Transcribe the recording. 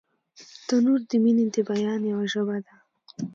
تنور د مینې د بیان یوه ژبه ده